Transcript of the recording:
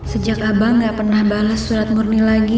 sejak abang gak pernah balas surat murni lagi